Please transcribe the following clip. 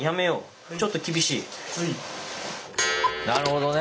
なるほどね。